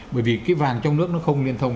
bởi vì cái vàng trong nước nó không liên thông